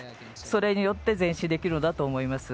それによって前進できるのだと思います。